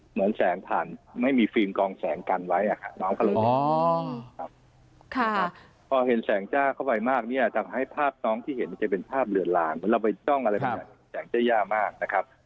เหมือนแสงผ่านไม่มีฟิล์มกองแสงกันไว้อ่ะค่ะพอเห็นแสงจ้าเข้าไปมากเนี่ยทำให้ภาพน้องที่เห็นจะเป็นภาพเหลือลางเวลาไปจ้องแสงจะยากมากนะครับ